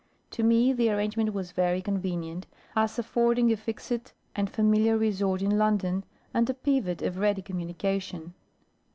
To me the arrangement was very convenient, as affording a fixed and familiar resort in London, and a pivot of ready communication.